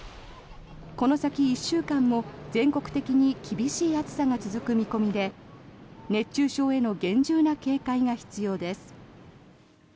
この先１週間も全国的に厳しい暑さが続く見込みで熱中症への厳重な警戒が必要です。